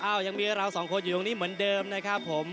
ยังมีเราสองคนอยู่ตรงนี้เหมือนเดิมนะครับผม